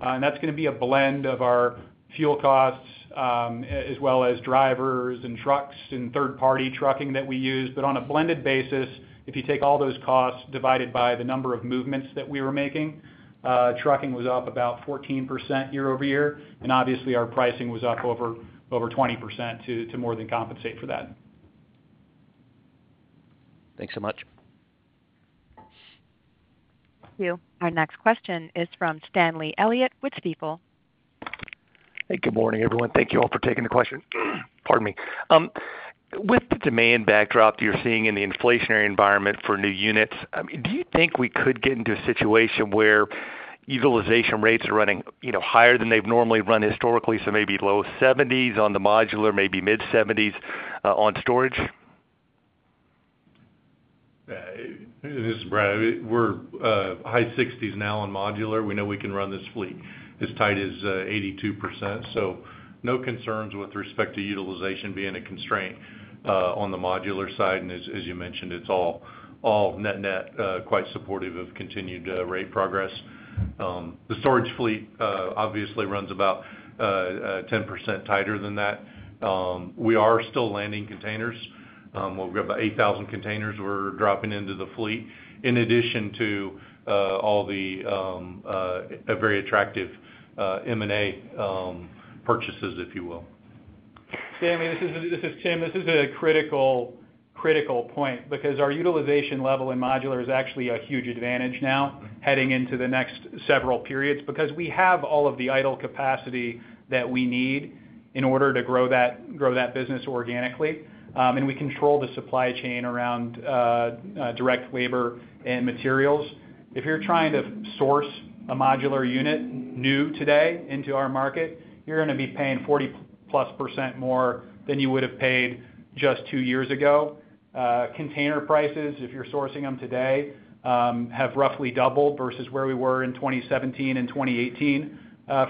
That's gonna be a blend of our fuel costs, as well as drivers and trucks and third-party trucking that we use. On a blended basis, if you take all those costs divided by the number of movements that we were making, trucking was up about 14% year-over-year, and obviously, our pricing was up over 20% to more than compensate for that. Thanks so much. Thank you. Our next question is from Stanley Elliott with Stifel. Hey, good morning, everyone. Thank you all for taking the question. Pardon me. With the demand backdrop you're seeing in the inflationary environment for new units, do you think we could get into a situation where utilization rates are running, you know, higher than they've normally run historically, so maybe low 70s% on the modular, maybe mid-70s% on storage? This is Brad. We're high 60s now on modular. We know we can run this fleet as tight as 82%. No concerns with respect to utilization being a constraint on the modular side. As you mentioned, it's all net net quite supportive of continued rate progress. The storage fleet obviously runs about 10% tighter than that. We are still landing containers. We've got about 8,000 containers we're dropping into the fleet in addition to all the very attractive M&A purchases, if you will. Stanley, this is Tim. This is a critical point because our utilization level in modular is actually a huge advantage now heading into the next several periods because we have all of the idle capacity that we need in order to grow that business organically. And we control the supply chain around direct labor and materials. If you're trying to source a modular unit new today into our market, you're gonna be paying 40%+ more than you would have paid just two years ago. Container prices, if you're sourcing them today, have roughly doubled versus where we were in 2017 and 2018,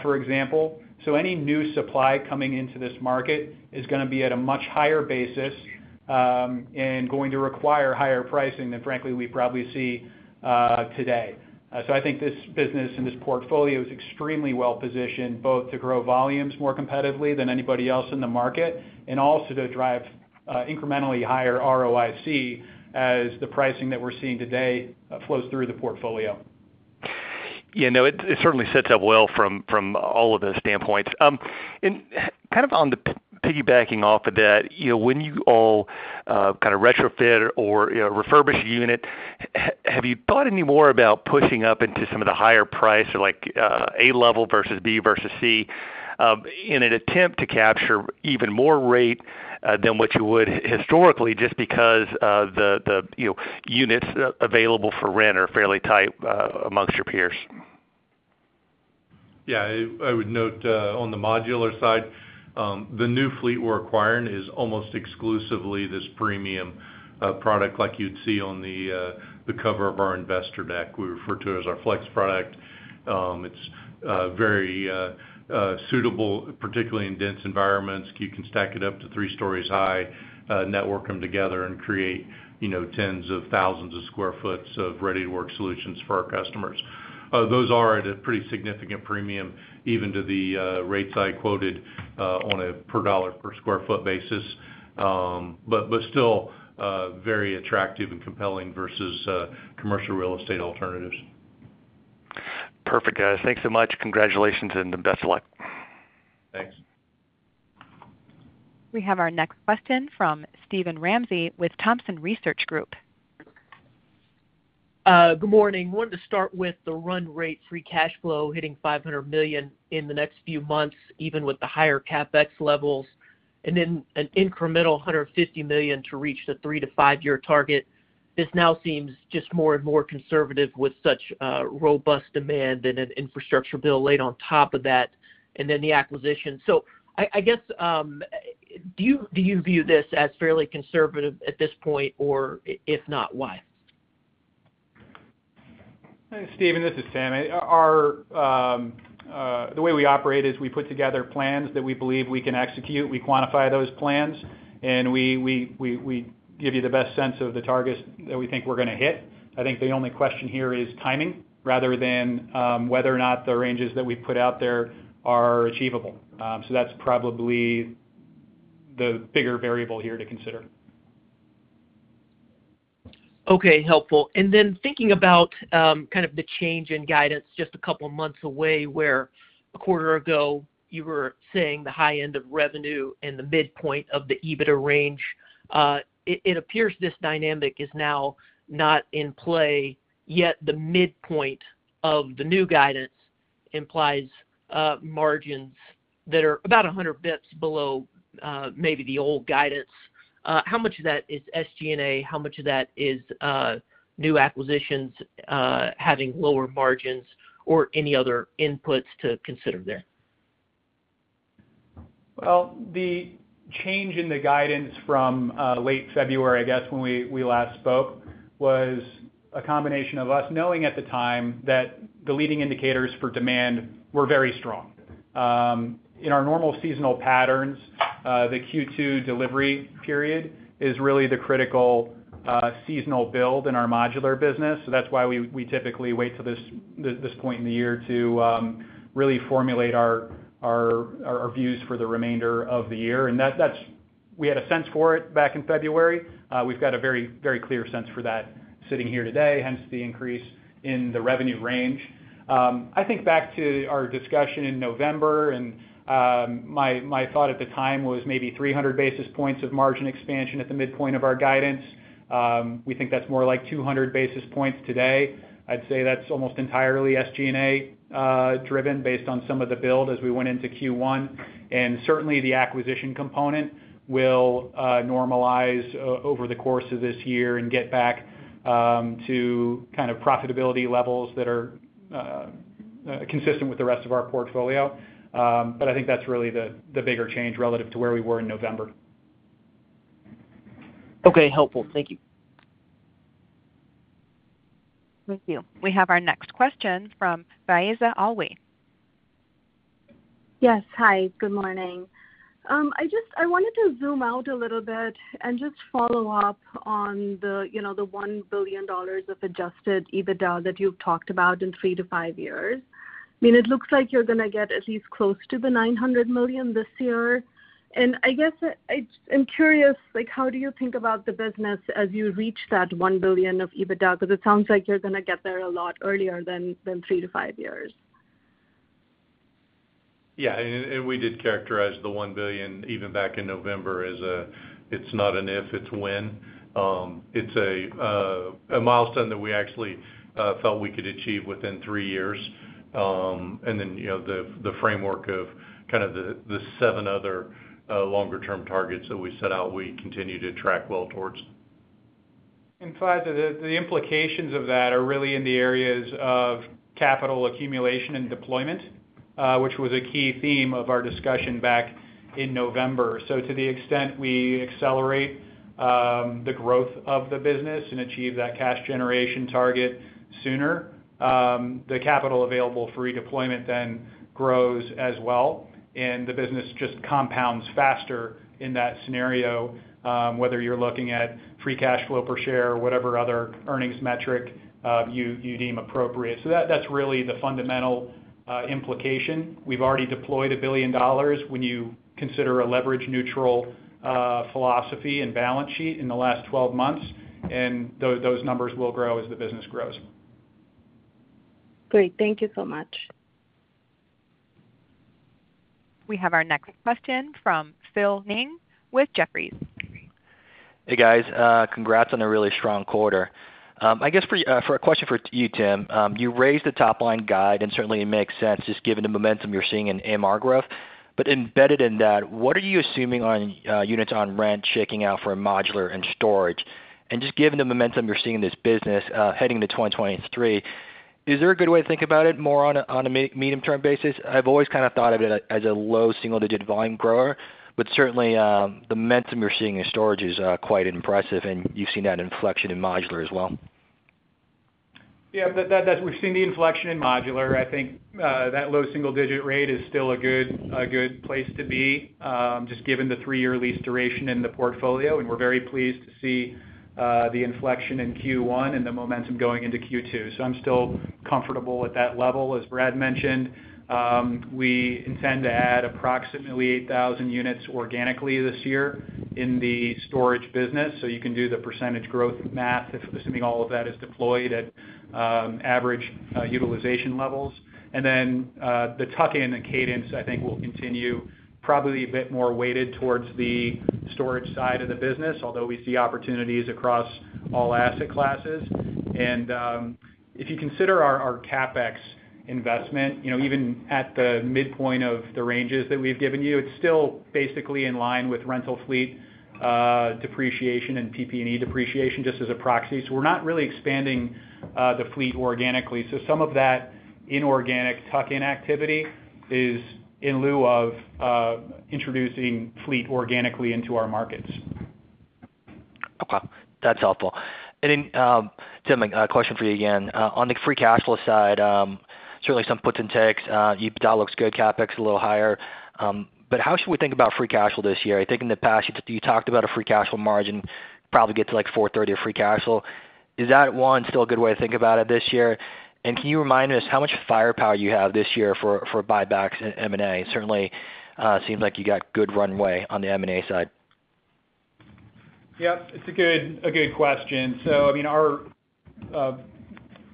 for example. Any new supply coming into this market is gonna be at a much higher basis, and going to require higher pricing than frankly we probably see today. I think this business and this portfolio is extremely well-positioned both to grow volumes more competitively than anybody else in the market and also to drive incrementally higher ROIC as the pricing that we're seeing today flows through the portfolio. It certainly sets up well from all of those standpoints. Kind of piggybacking off of that, you know, when you all kind of retrofit or, you know, refurbish a unit, have you thought any more about pushing up into some of the higher price or like A level versus B versus C in an attempt to capture even more rate than what you would historically just because the you know units available for rent are fairly tight amongst your peers? Yeah, I would note on the modular side, the new fleet we're acquiring is almost exclusively this premium product like you'd see on the cover of our investor deck. We refer to it as our flex product. It's very suitable, particularly in dense environments. You can stack it up to three stories high, network them together and create, you know, tens of thousands of square foot of ready-to-work solutions for our customers. Those are at a pretty significant premium even to the rates I quoted on a per dollar per square foot basis. But still, very attractive and compelling versus commercial real estate alternatives. Perfect, guys. Thanks so much. Congratulations and best luck. Thanks. We have our next question from Steven Ramsey with Thompson Research Group. Good morning. Wanted to start with the run rate free cash flow hitting $500 million in the next few months, even with the higher CapEx levels, and then an incremental $150 million to reach the 3-5-year target. This now seems just more and more conservative with such robust demand and an infrastructure bill laid on top of that, and then the acquisition. I guess, do you view this as fairly conservative at this point, or if not, why? Hey, Steven, this is Tim. The way we operate is we put together plans that we believe we can execute. We quantify those plans, and we give you the best sense of the targets that we think we're gonna hit. I think the only question here is timing rather than whether or not the ranges that we put out there are achievable. So that's probably the bigger variable here to consider. Okay, helpful. Thinking about kind of the change in guidance just a couple of months away, where a quarter ago you were saying the high end of revenue and the midpoint of the EBITDA range. It appears this dynamic is now not in play, yet the midpoint of the new guidance implies margins that are about 100 basis points below, maybe the old guidance. How much of that is SG&A? How much of that is new acquisitions having lower margins or any other inputs to consider there? Well, the change in the guidance from late February, I guess, when we last spoke, was a combination of us knowing at the time that the leading indicators for demand were very strong. In our normal seasonal patterns, the Q2 delivery period is really the critical seasonal build in our modular business. That's why we typically wait till this point in the year to really formulate our views for the remainder of the year. We had a sense for it back in February. We've got a very clear sense for that sitting here today, hence the increase in the revenue range. I think back to our discussion in November, my thought at the time was maybe 300 basis points of margin expansion at the midpoint of our guidance. We think that's more like 200 basis points today. I'd say that's almost entirely SG&A driven based on some of the build as we went into Q1. Certainly, the acquisition component will normalize over the course of this year and get back to kind of profitability levels that are consistent with the rest of our portfolio. I think that's really the bigger change relative to where we were in November. Okay, helpful. Thank you. Thank you. We have our next question from Faiza Alwy. Yes. Hi, good morning. I wanted to zoom out a little bit and just follow up on the, you know, the $1 billion of Adjusted EBITDA that you've talked about in 3-5 years. I mean, it looks like you're gonna get at least close to the $900 million this year. I guess I'm curious, like, how do you think about the business as you reach that $1 billion of EBITDA? Because it sounds like you're gonna get there a lot earlier than 3-5 years. We did characterize the $1 billion even back in November as it's not an if, it's when. It's a milestone that we actually felt we could achieve within three years. You know, the framework of kind of the seven other longer-term targets that we set out, we continue to track well towards. Faiza, the implications of that are really in the areas of capital accumulation and deployment, which was a key theme of our discussion back in November. To the extent we accelerate the growth of the business and achieve that cash generation target sooner, the capital available for redeployment then grows as well, and the business just compounds faster in that scenario, whether you're looking at free cash flow per share or whatever other earnings metric you deem appropriate. That's really the fundamental implication. We've already deployed $1 billion when you consider a leverage-neutral philosophy and balance sheet in the last 12 months, and those numbers will grow as the business grows. Great. Thank you so much. We have our next question from Phil Ng with Jefferies. Hey, guys. Congrats on a really strong quarter. I guess for a question for you, Tim, you raised the top-line guide, and certainly it makes sense just given the momentum you're seeing in MR growth. But embedded in that, what are you assuming on units on rent shaking out for modular and storage? And just given the momentum you're seeing in this business, heading to 2023, is there a good way to think about it more on a medium-term basis? I've always kind of thought of it as a low single-digit volume grower, but certainly the momentum you're seeing in storage is quite impressive, and you've seen that inflection in modular as well. We've seen the inflection in modular. I think that low single digit rate is still a good place to be, just given the three-year lease duration in the portfolio, and we're very pleased to see the inflection in Q1 and the momentum going into Q2. I'm still comfortable at that level. As Brad mentioned, we intend to add approximately 8,000 units organically this year in the storage business. You can do the percentage growth math if assuming all of that is deployed at average utilization levels. Then the tuck-in cadence, I think, will continue probably a bit more weighted towards the storage side of the business, although we see opportunities across all asset classes. If you consider our CapEx investment, you know, even at the midpoint of the ranges that we've given you, it's still basically in line with rental fleet depreciation and PP&E depreciation just as a proxy. We're not really expanding the fleet organically. Some of that inorganic tuck-in activity is in lieu of introducing fleet organically into our markets. Okay. That's helpful. Then, Tim, a question for you again. On the free cash flow side, certainly some puts and takes. EBITDA looks good, CapEx a little higher. How should we think about free cash flow this year? I think in the past, you talked about a free cash flow margin, probably get to like 43% of free cash flow. Is that, one, still a good way to think about it this year? Can you remind us how much firepower you have this year for buybacks and M&A? Certainly, seems like you got good runway on the M&A side. Yeah, it's a good question. I mean, our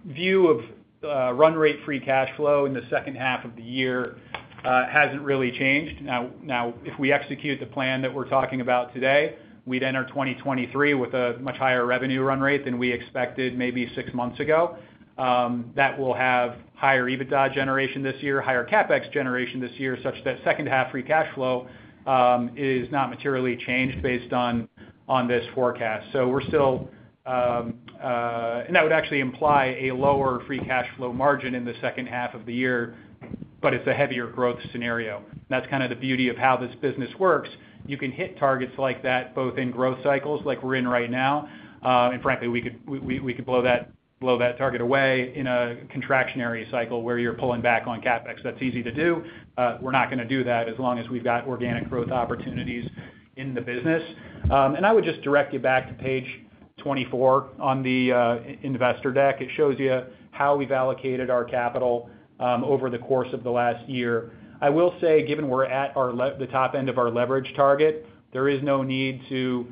view of run rate free cash flow in the second half of the year hasn't really changed. Now, if we execute the plan that we're talking about today, we'd enter 2023 with a much higher revenue run rate than we expected maybe six months ago. That will have higher EBITDA generation this year, higher CapEx generation this year, such that second half free cash flow is not materially changed based on this forecast. We're still. That would actually imply a lower free cash flow margin in the second half of the year, but it's a heavier growth scenario. That's kind of the beauty of how this business works. You can hit targets like that both in growth cycles like we're in right now, and frankly, we could blow that target away in a contractionary cycle where you're pulling back on CapEx. That's easy to do. We're not gonna do that as long as we've got organic growth opportunities in the business. I would just direct you back to page 24 on the investor deck. It shows you how we've allocated our capital over the course of the last year. I will say, given we're at the top end of our leverage target, there is no need to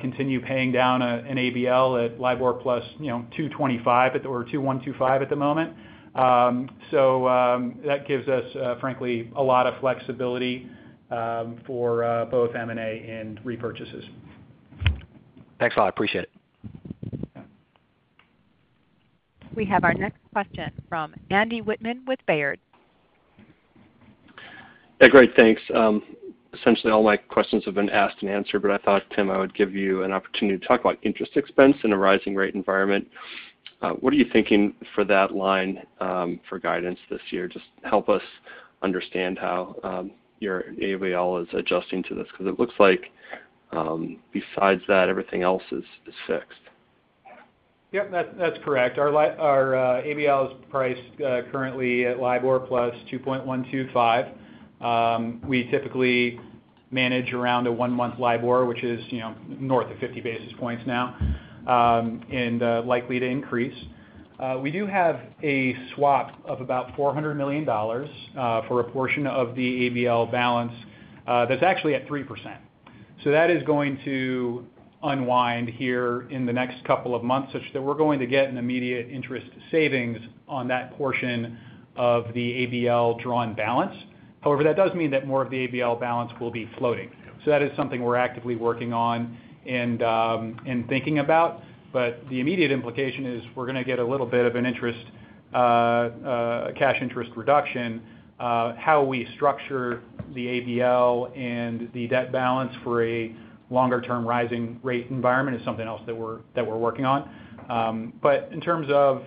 continue paying down an ABL at LIBOR+, you know, 2.25 or 2.125 at the moment. That gives us, frankly, a lot of flexibility for both M&A and repurchases. Thanks a lot. Appreciate it. We have our next question from Andrew Wittmann with Baird. Yeah, great. Thanks. Essentially, all my questions have been asked and answered, but I thought, Tim, I would give you an opportunity to talk about interest expense in a rising rate environment. What are you thinking for that line for guidance this year? Just help us understand how your ABL is adjusting to this, 'cause it looks like, besides that, everything else is fixed. Yep. That's correct. Our ABL is priced currently at LIBOR+ 2.125. We typically manage around a one-month LIBOR, which is, you know, north of 50 basis points now and likely to increase. We do have a swap of about $400 million for a portion of the ABL balance that's actually at 3%. That is going to unwind here in the next couple of months such that we're going to get an immediate interest savings on that portion of the ABL drawn balance. However, that does mean that more of the ABL balance will be floating. That is something we're actively working on and thinking about. The immediate implication is we're gonna get a little bit of a cash interest reduction. How we structure the ABL and the debt balance for a longer-term rising rate environment is something else that we're working on. But in terms of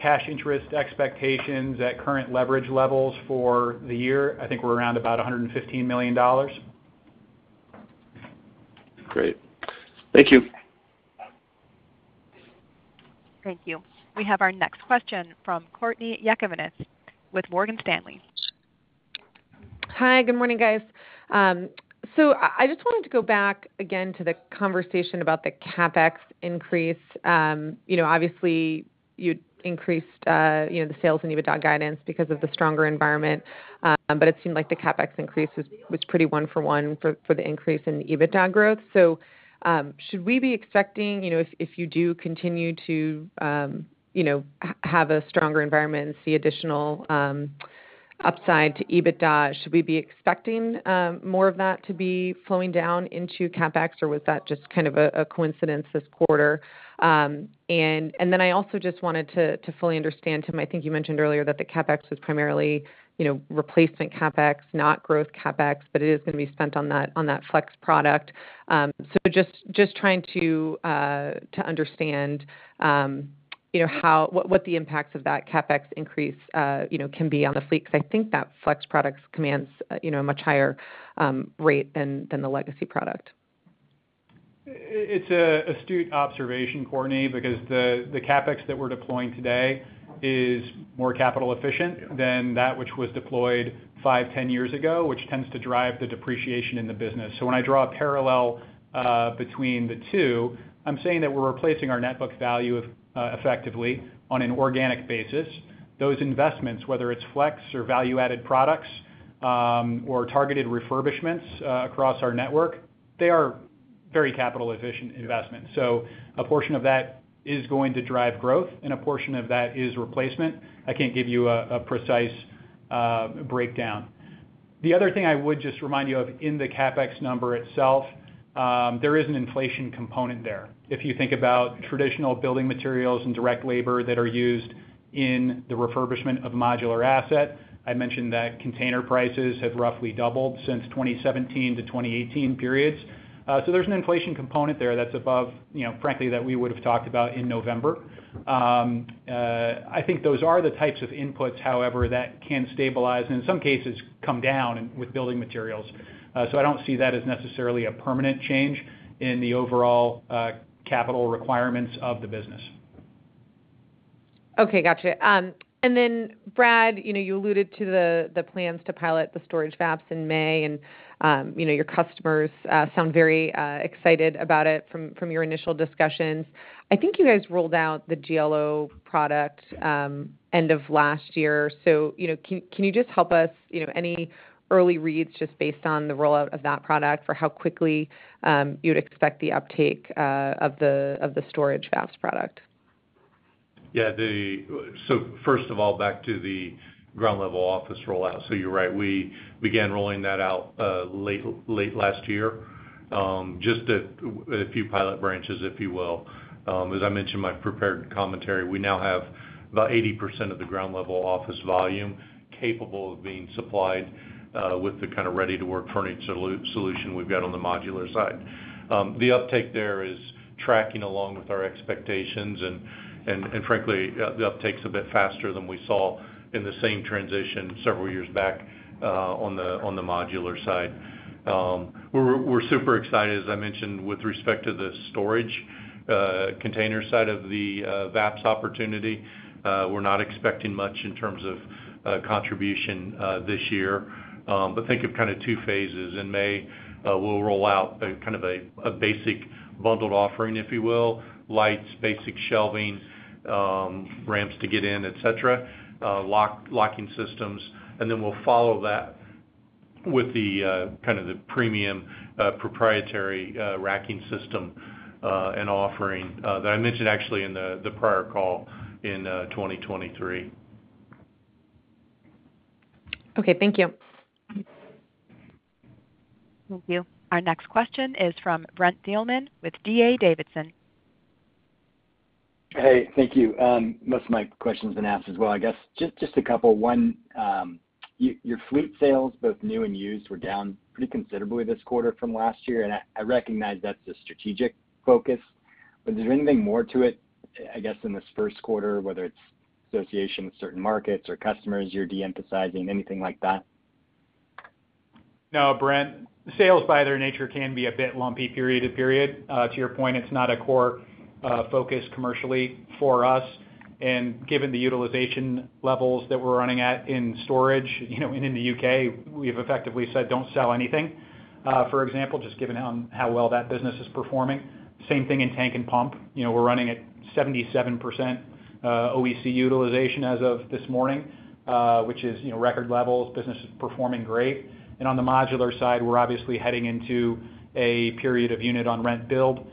cash interest expectations at current leverage levels for the year, I think we're around about $115 million. Great. Thank you. Thank you. We have our next question from Courtney Yakavonis with Morgan Stanley. Hi. Good morning, guys. I just wanted to go back again to the conversation about the CapEx increase. You know, obviously, you increased the sales and EBITDA guidance because of the stronger environment, but it seemed like the CapEx increase was pretty one-for-one for the increase in EBITDA growth. Should we be expecting, you know, if you do continue to have a stronger environment and see additional upside to EBITDA, should we be expecting more of that to be flowing down into CapEx, or was that just kind of a coincidence this quarter? I also just wanted to fully understand, Tim. I think you mentioned earlier that the CapEx was primarily, you know, replacement CapEx, not growth CapEx, but it is gonna be spent on that, on that FLEX product. Just trying to understand, you know, what the impacts of that CapEx increase, you know, can be on the fleet, 'cause I think that FLEX products commands, you know, a much higher rate than the legacy product. It's an astute observation, Courtney, because the CapEx that we're deploying today is more capital efficient than that which was deployed five, 10 years ago, which tends to drive the depreciation in the business. When I draw a parallel between the two, I'm saying that we're replacing our net book value effectively on an organic basis. Those investments, whether it's FLEX or value-added products, or targeted refurbishments across our network, they are very capital efficient investments. A portion of that is going to drive growth, and a portion of that is replacement. I can't give you a precise breakdown. The other thing I would just remind you of in the CapEx number itself, there is an inflation component there. If you think about traditional building materials and direct labor that are used in the refurbishment of modular asset, I mentioned that container prices have roughly doubled since 2017 to 2018 periods. There's an inflation component there that's above, you know, frankly, that we would have talked about in November. I think those are the types of inputs, however, that can stabilize, and in some cases come down with building materials. I don't see that as necessarily a permanent change in the overall capital requirements of the business. Okay. Gotcha. Brad, you know, you alluded to the plans to pilot the storage VAPS in May, and you know, your customers sound very excited about it from your initial discussions. I think you guys rolled out the GLO product end of last year. You know, can you just help us any early reads just based on the rollout of that product for how quickly you'd expect the uptake of the storage VAPS product? Yeah, first of all, back to the ground level office rollout. You're right, we began rolling that out late last year, just a few pilot branches, if you will. As I mentioned in my prepared commentary, we now have about 80% of the ground level office volume capable of being supplied with the kind of ready to work furniture solution we've got on the modular side. The uptake there is tracking along with our expectations and frankly, the uptake's a bit faster than we saw in the same transition several years back on the modular side. We're super excited, as I mentioned, with respect to the storage container side of the VAPS opportunity. We're not expecting much in terms of contribution this year. Think of kind of two phases. In May, we'll roll out a kind of basic bundled offering, if you will. Lights, basic shelving, ramps to get in, et cetera, locking systems. Then we'll follow that with the kind of the premium proprietary racking system and offering that I mentioned actually in the prior call in 2023. Okay, thank you. Thank you. Our next question is from Brent Thielman with D.A. Davidson. Hey, thank you. Most of my questions been asked as well, I guess just a couple. One, your fleet sales, both new and used, were down pretty considerably this quarter from last year, and I recognize that's the strategic focus. Is there anything more to it, I guess, in this first quarter, whether it's association with certain markets or customers you're de-emphasizing, anything like that? No, Brent. Sales by their nature can be a bit lumpy period to period. To your point, it's not a core focus commercially for us. Given the utilization levels that we're running at in storage, you know, and in the UK, we've effectively said, "Don't sell anything," for example, just given how well that business is performing. Same thing in Tank and Pump. You know, we're running at 77% OEC utilization as of this morning, which is, you know, record levels. Business is performing great. On the modular side, we're obviously heading into a period of unit on rent build,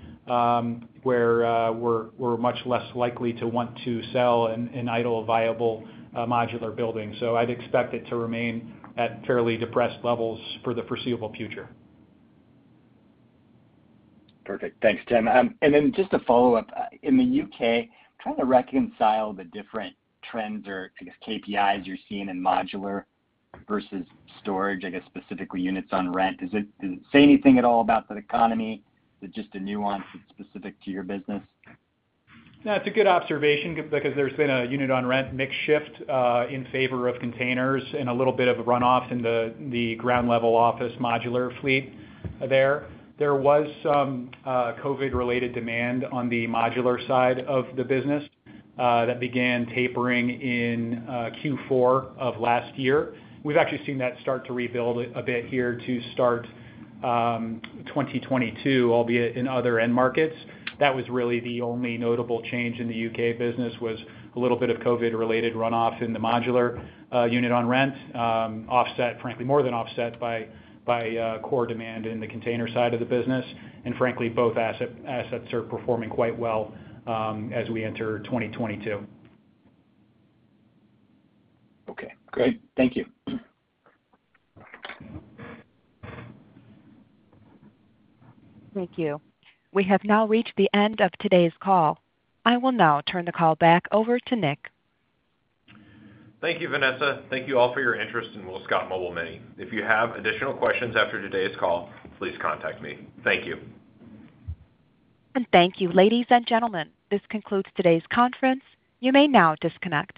where we're much less likely to want to sell an idle viable modular building. So I'd expect it to remain at fairly depressed levels for the foreseeable future. Perfect. Thanks, Tim. Just a follow-up. In the U.K., trying to reconcile the different trends or I guess KPIs you're seeing in modular versus storage, I guess specifically units on rent. Does it say anything at all about the economy or just a nuance that's specific to your business? No, it's a good observation because there's been a unit on rent mix shift in favor of containers and a little bit of a runoff in the ground level office modular fleet there. There was some COVID-related demand on the modular side of the business that began tapering in Q4 of last year. We've actually seen that start to rebuild a bit here to start 2022, albeit in other end markets. That was really the only notable change in the U.K. business, was a little bit of COVID-related runoff in the modular unit on rent, offset, frankly more than offset by core demand in the container side of the business. Frankly, both assets are performing quite well as we enter 2022. Okay, great. Thank you. Thank you. We have now reached the end of today's call. I will now turn the call back over to Nick. Thank you, Vanessa. Thank you all for your interest in WillScot Mobile Mini. If you have additional questions after today's call, please contact me. Thank you. Thank you, ladies and gentlemen. This concludes today's conference. You may now disconnect.